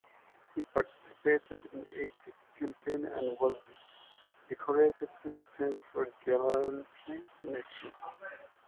He participated in eight campaigns and was decorated six times for gallantry in action.